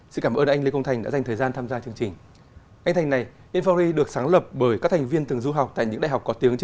xin cảm ơn anh lê công thành đã dành thời gian tham gia chương trình